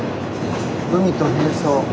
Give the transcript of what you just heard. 海と並走。